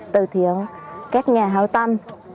tự thiện các nhà hào tâm